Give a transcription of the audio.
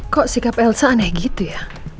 kok sikap elsa naik gitu ya